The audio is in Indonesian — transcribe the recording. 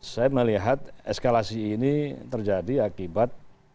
saya melihat eskalasi ini terjadi akibat